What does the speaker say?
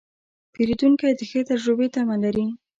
پیرودونکی د ښه تجربې تمه لري.